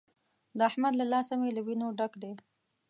د احمد له لاسه مې له وينو ډک دی.